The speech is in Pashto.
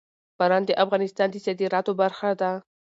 باران د افغانستان د صادراتو برخه ده.